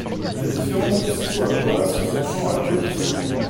À la différence du ciseau à bois, son tranchant a deux biseaux.